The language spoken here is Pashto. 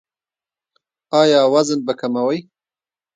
ایا وزن به کموئ؟